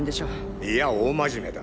いや大真面目だ。